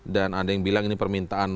dan ada yang bilang ini permintaan